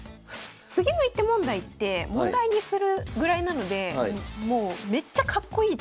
次の一手問題って問題にするぐらいなのでもうめっちゃかっこいい手みたいな派手な手が多いです。